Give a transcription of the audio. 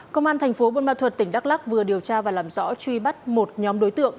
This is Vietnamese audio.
công an tp bunma thuật tỉnh đắk lắc vừa điều tra và làm rõ truy bắt một nhóm đối tượng